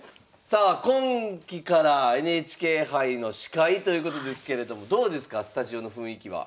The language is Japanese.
さあ今期からＮＨＫ杯の司会ということですけれどもどうですかスタジオの雰囲気は。